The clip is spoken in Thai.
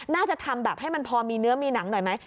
น่าจะทำแบบให้มันพอมีเนื้อมีหนังหน่อยไหม